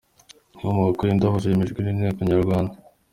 Inkomoko y'indahuzo yemejwe n'inteko nyarwanda.